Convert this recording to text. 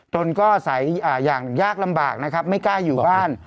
ตนก็อาศัยอย่างยากลำบากนะครับไม่กล้าอยู่บ้าน